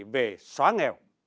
về xóa nghèo